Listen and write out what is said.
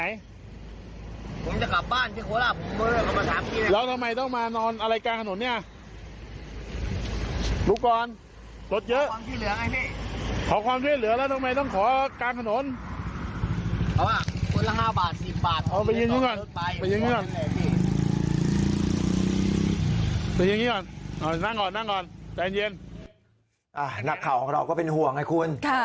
นักข่าวของเราก็เป็นห่วงไงคุณ